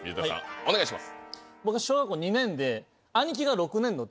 お願いします。